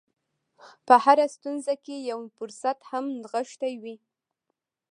په هره ستونزه کې یو فرصت هم نغښتی وي